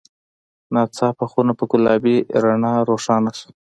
ناڅاپه خونه په ګلابي رڼا روښانه شوه.